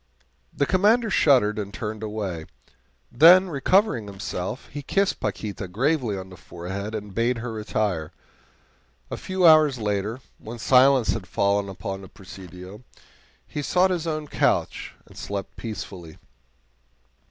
The Commander shuddered and turned away. Then, recovering himself, he kissed Paquita gravely on the forehead and bade her retire. A few hours later, when silence had fallen upon the Presidio, he sought his own couch and slept peacefully.